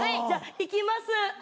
じゃあいきます